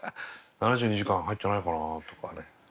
「７２時間」入ってないかなとかね。